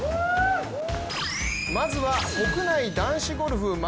まずは国内男子ゴルフ。